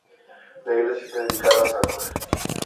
La iglesia está dedicada a san Jorge.